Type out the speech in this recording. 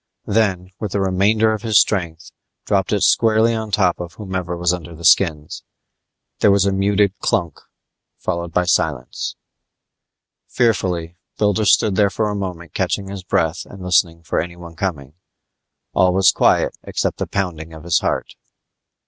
Then, with the remainder of his strength, dropped it squarely on top of whomever was under the skins. There was a muted clunk followed by silence. Fearfully Builder stood there for a moment catching his breath and listening for anyone coming. All was quiet except the pounding of his heart.